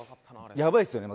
やばいですよね。